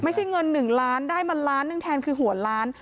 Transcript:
ไม่ใช่เงิน๑๐๐๐๐๐๐ได้๑๐๐๐๐๐๐หนึ่งแทนคือหัวล้าน